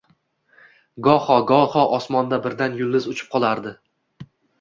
Goho-goho osmonda birdan yulduz uchib qolardi.